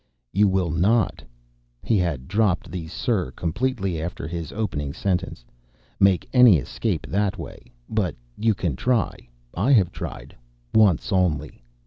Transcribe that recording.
"You will not" he had dropped the Sir completely after his opening sentence "make any escape that way. But you can try. I have tried. Once only."